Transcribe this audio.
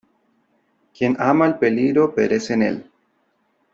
¡ quien ama el peligro perece en él !